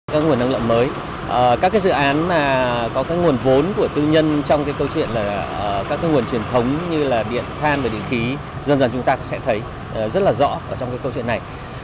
các nguồn năng lượng mới các dự án có nguồn vốn của tư nhân trong câu chuyện là các nguồn truyền thống như là điện than và điện khí dần dần chúng ta cũng sẽ thấy rất là rõ trong câu chuyện này